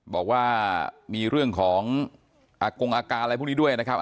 บอกว่ามีเรื่องของอากงอาการอะไรพวกนี้ด้วยนะครับ